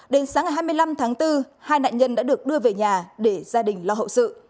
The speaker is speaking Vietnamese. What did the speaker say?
đến sáng ngày hai mươi năm tháng bốn hai nạn nhân đã được đưa về nhà để gia đình lo hậu sự